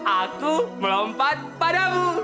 aku melompat padamu